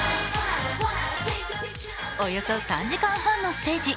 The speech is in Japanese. およそ３時間半のステージ。